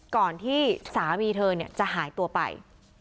ก่อนที่สามีเธอจะหายตัวไป